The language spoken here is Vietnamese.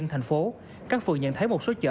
thành phố các phường nhận thấy một số chợ